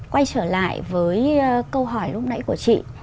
quay trở lại với câu hỏi lúc nãy của chị